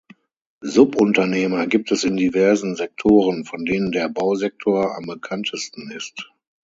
Subunternehmer gibt es in diversen Sektoren, von denen der Bausektor am bekanntesten ist.